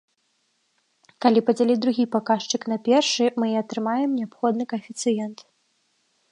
Калі падзяліць другі паказчык на першы, мы і атрымаем неабходны каэфіцыент.